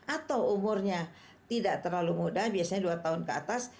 atau umurnya tidak terlalu muda biasanya dua tahun ke atas